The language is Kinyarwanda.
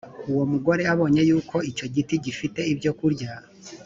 uwo mugore abonye yuko icyo giti gifite ibyokurya